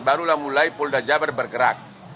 barulah mulai polda jabar bergerak